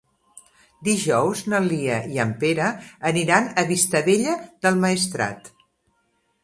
Dijous na Lia i en Pere aniran a Vistabella del Maestrat.